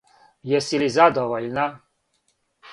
Јеси ли задовољна?